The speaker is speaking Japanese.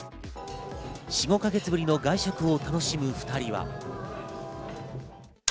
４５か月ぶりの外食を楽しむ２人は。